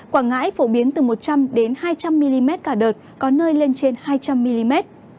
quảng ngãi phổ biến từ một trăm linh hai trăm linh mm cả đợt có nơi lên trên hai trăm linh mm